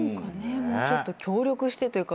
もうちょっと協力してというか。